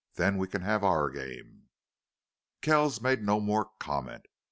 Then we can have our game." Kells made no more comment.